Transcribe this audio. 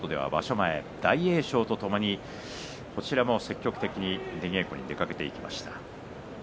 前大栄翔とともにこちらも積極的に出稽古に出かけていきました。